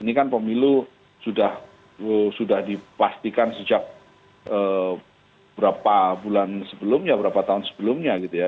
ini kan pemilu sudah dipastikan sejak berapa bulan sebelumnya berapa tahun sebelumnya gitu ya